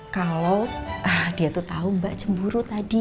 kalau dia tuh tau mbak cemburu tadi